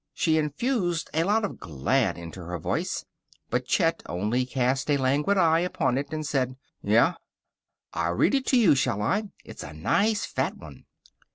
She infused a lot of Glad into her voice. But Chet only cast a languid eye upon it and said, "Yeh?" "I'll read it to you, shall I? It's a nice fat one."